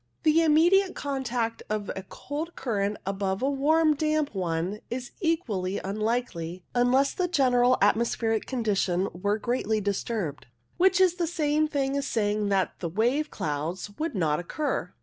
The immediate contact of a cold current above a warm damp one is equally unlikely, unless the general atmospheric condition were greatly disturbed, which is the same thing as saying that wave clouds would not occur.